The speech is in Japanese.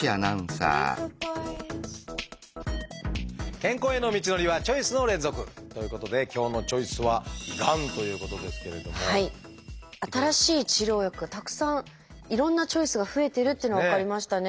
健康への道のりはチョイスの連続！ということで今日の「チョイス」は新しい治療薬がたくさんいろんなチョイスが増えてるっていうのが分かりましたね。